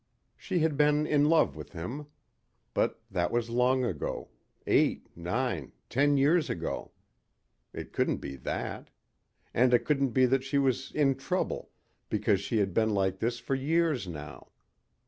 She had been in love with him. But that was long ago eight, nine, ten years ago. It couldn't be that. And it couldn't be that she was "in trouble," because she had been like this for years now.